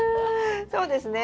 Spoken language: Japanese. そうですね。